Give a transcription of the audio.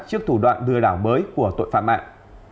trước thủ đoạn lừa đảo mới của tội phạm mạng